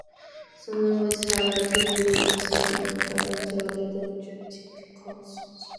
Some linguists have attributed this pronoun pattern to other than genetic causes.